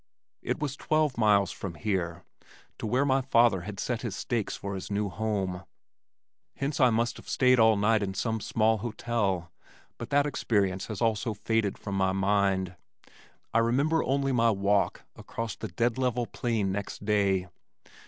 It was twelve miles from here to where my father had set his stakes for his new home, hence I must have stayed all night in some small hotel, but that experience has also faded from my mind. I remember only my walk across the dead level plain next day.